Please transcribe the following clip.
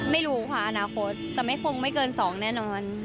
ไม่รู้ค่ะอนาคตแต่ไม่คงไม่เกิน๒แน่นอน